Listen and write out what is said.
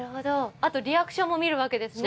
あとリアクションも見るわけですね。